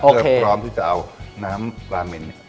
เพื่อพร้อมที่จะเอาน้ำลามิ้น